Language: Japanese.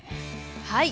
はい。